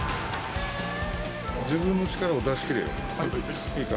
自分の力を出し切れよ。いいか？